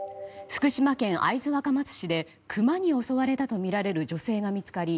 福島県会津若松市でクマに襲われたとみられる女性が見つかり